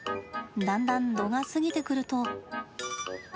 だんだん、度が過ぎてくると。